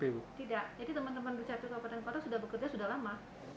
tidak jadi teman teman berjatuh ke wabatan kota sudah bekerja sudah lama